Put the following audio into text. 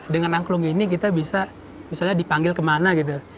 dengan angklung ini kita bisa misalnya dipanggil kemana gitu